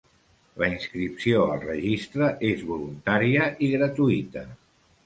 La inscripció al Registre és voluntària i gratuïta.